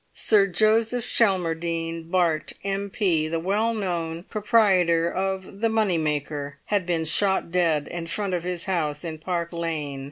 Sir Joseph Schelmerdine, Bart., M.P., the well known proprietor of the Money maker, had been shot dead in front of his house in Park Lane.